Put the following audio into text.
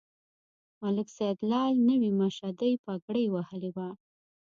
ملک سیدلال نوې مشدۍ پګړۍ وهلې وه.